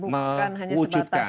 yang saya wujudkan